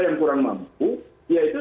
yang kurang mampu yaitu